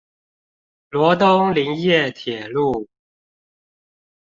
羅東林業鐵路